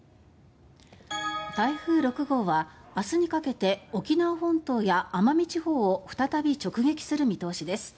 台風６号は明日にかけて沖縄本島や奄美地方を再び直撃する見通しです。